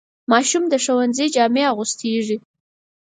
ماشوم د ښوونځي جامې اغوستېږي.